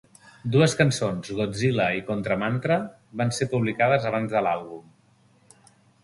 Dues cançons, "Godzilla" i "Contra Mantra", van ser publicades abans de l'àlbum.